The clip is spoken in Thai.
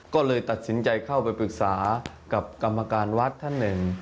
ก็เลยตัดสินใจเข้าไปปรึกษากับกรรมการวัดท่านหนึ่ง